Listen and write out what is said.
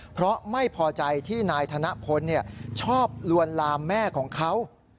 เพราะไม่พอใจที่นายธนพลชอบลวนลามแม่ของเขา